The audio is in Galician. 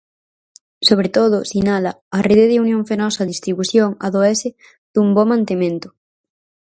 Sobre todo, sinala, a rede de Unión Fenosa Distribución adoece dun bo mantemento.